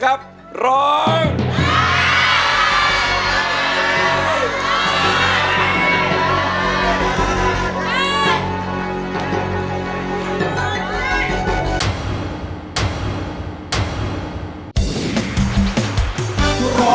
โทรใจโทรใจโทรใจโทรใจโทรใจโทรใจโทรใจ